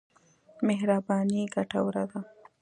مهرباني ګټوره ده.